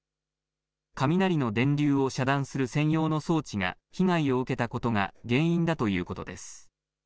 雷の電流を遮断する専用の装置が被害を受けたことが原因だということです。